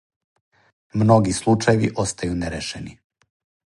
Многи случајеви остају нерешени.